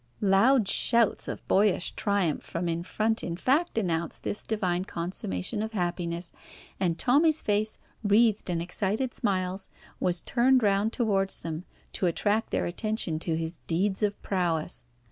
Loud shouts of boyish triumph from in front in fact announced this divine consummation of happiness, and Tommy's face, wreathed in excited smiles, was turned round towards them, to attract their attention to his deeds of prowess.